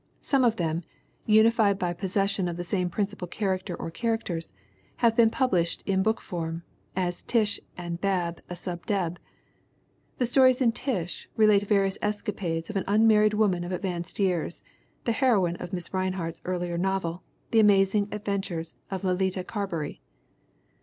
Some of them, unified by possession of the same principal character or characters, have been published in book form, as Tish and Bab, a Sub Deb. The stories in Tish relate various escapades of an un married woman of advanced years, the heroine of Mrs. Rinehart's earlier novel, The Amazing Adventures of Letitia Carberry.